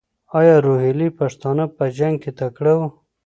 ایا روهیلې پښتانه په جنګ کې تکړه وو؟